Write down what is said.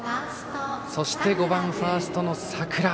そして、５番ファーストの佐倉。